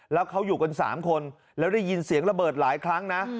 แล้วเขาอยู่กัน๓คนแล้วได้ยินเสียงระเบิดหลายครั้งนะ